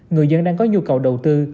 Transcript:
người dân đang có nhu cầu đầu tư